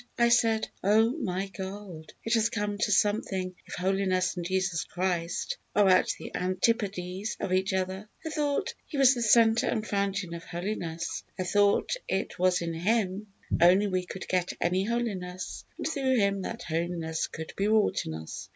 I said, "Oh, my God! it has come to something if holiness and Jesus Christ are at the antipodes of each other. I thought He was the centre and fountain of holiness. I thought it was in Him only we could get any holiness, and through Him that holiness could be wrought in us."